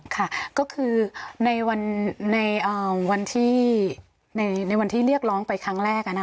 ค่ะก็คือในวันที่เรียกร้องไปครั้งแรก